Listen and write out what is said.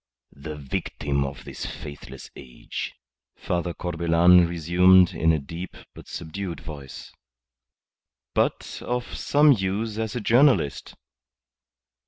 "The victim of this faithless age," Father Corbelan resumed in a deep but subdued voice. "But of some use as a journalist."